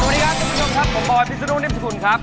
สวัสดีครับคุณผู้ชมครับผมบอยพิศนุนิมสกุลครับ